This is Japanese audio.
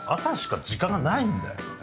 朝しか時間がないんだよ。